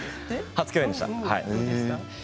初共演でした。